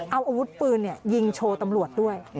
เอาอาวุธปืนยิงโชว์ตำรวจด้วย